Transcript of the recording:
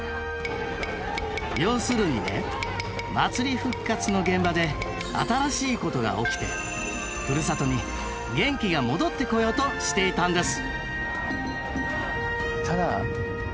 要するにね祭り復活の現場で新しいことが起きてふるさとに元気が戻ってこようとしていたんです！